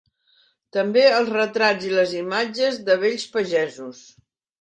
També els retrats i les imatges de vells pagesos.